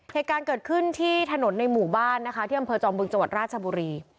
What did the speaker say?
เหตุการณ์เกิดขึ้นที่ถนนในหมู่บ้านนะคะที่อำเภอจอมบึงจังหวัดราชบุรี